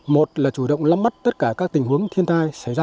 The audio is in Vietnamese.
một là chủ động lắm mắt tất cả các tình huống thiên tai xảy ra